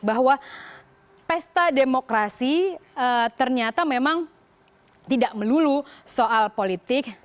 bahwa pesta demokrasi ternyata memang tidak melulu soal politik